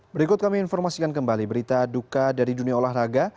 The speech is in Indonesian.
berikut kami informasikan kembali berita duka dari dunia olahraga